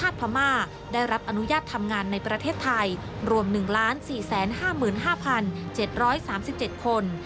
ทำงานในประเทศไทยรวม๑๔๕๕๗๓๗คน